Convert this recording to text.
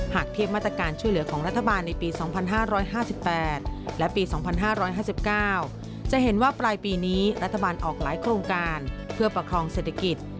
หากเทียบมาตรการช่วยเหลือของรัฐบาลในปี๒๕๕๘และปี๒๕๕๙จะเห็นว่าปลายปีนี้รัฐบาลออกหลายโครงการเพื่อประคองเศรษฐกิจ